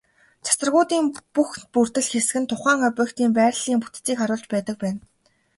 Цацрагуудын бүх бүрдэл хэсэг нь тухайн объектын байрлалын бүтцийг харуулж байдаг байна.